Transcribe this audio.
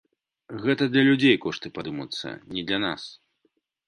Гэта для людзей кошты падымуцца, не для нас.